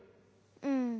うん。